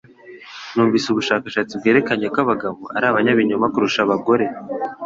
Numvise ubushakashatsi bwerekanye ko abagabo ari abanyabinyoma kurusha abagore